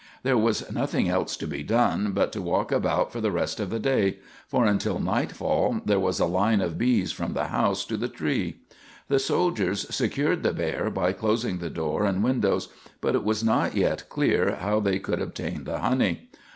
"] There was nothing else to be done but to walk about for the rest of the day; for until nightfall there was a line of bees from the house to the tree. The soldiers secured the bear by closing the door and windows, but it was not yet clear how they could obtain the honey.